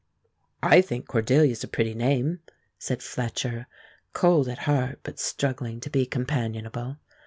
"I think Cordelia's a pretty name," said Fletcher, cold at heart but struggling to be companionable.